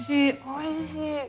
おいしい。